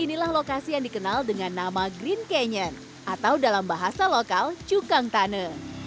inilah lokasi yang dikenal dengan nama green canyon atau dalam bahasa lokal cukang tane